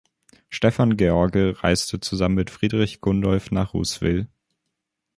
Stefan George reiste zusammen mit Friedrich Gundolf nach Ruswil.